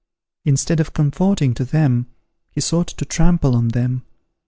Instead of conforming to them, he sought to trample on them.